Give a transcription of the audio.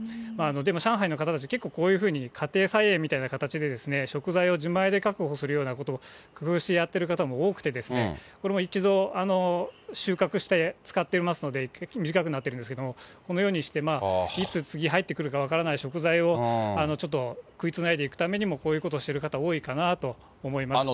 でも上海の方たち、結構こういうふうに、家庭菜園みたいな形でですね、食材を自前で確保するようなことを、工夫してやってる方も多くてですね、これも一度、収穫して使っていますので、短くなってるんですけども、このようにして、いつ次入ってくるか分からない食材を、ちょっと食いつないでいくためにも、こういうことをしてる方多いかなぁと思います。